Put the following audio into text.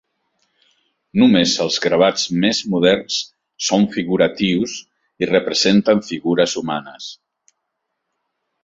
Només els gravats més moderns són figuratius i representen figures humanes.